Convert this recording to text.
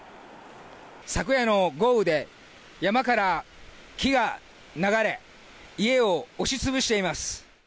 昨夜の豪雨で、山から木が流れ、家を押しつぶしています。